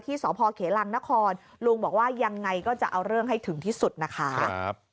สพเขลังนครลุงบอกว่ายังไงก็จะเอาเรื่องให้ถึงที่สุดนะคะ